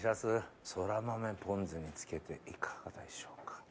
そらまめポン酢に付けていかがでしょうか。